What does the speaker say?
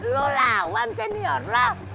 lu lawan senior lu